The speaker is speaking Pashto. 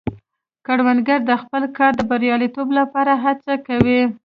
کروندګر د خپل کار د بریالیتوب لپاره هڅه کوي